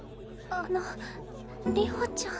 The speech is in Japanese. あの流星ちゃん。